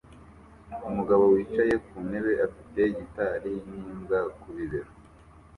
Umugabo wicaye ku ntebe afite gitari n'imbwa ku bibero